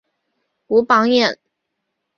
武榜眼。